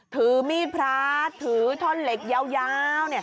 ถือมีดพระถือท่อนเหล็กยาว